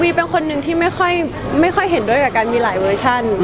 มีเป็นคนหนึ่งที่ไม่ค่อยเห็นด้วยกับการมีหลายเวอร์ชัน